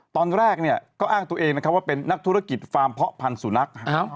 ตอนแรกเนี่ยก็อ้างตัวเองนะครับว่าเป็นนักธุรกิจฟาร์มเพาะพันธุนัก